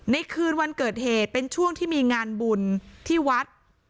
คืนวันเกิดเหตุเป็นช่วงที่มีงานบุญที่วัด